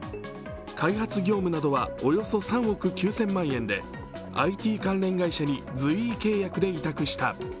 開発業務などはおよそ３億９０００万円でＩＴ関連会社に随意契約で委託した。